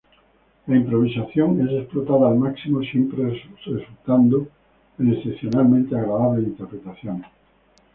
La improvisación es explotada al máximo, siempre resultando en excepcionalmente agradables interpretaciones.